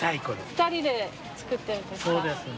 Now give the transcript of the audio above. ２人で作ってるんですか？